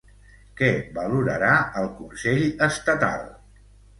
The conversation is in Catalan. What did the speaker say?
Què valorarà el consell estatal?